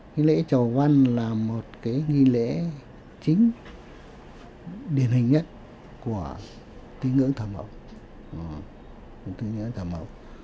nghi lễ chầu văn là một cái nghi lễ chính điển hình nhất của tín ngưỡng thờ mẫu